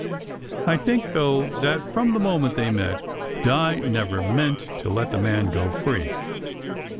I think, though, that from the moment they met, Di never meant to let the man go free.